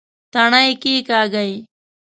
تڼي کېکاږئ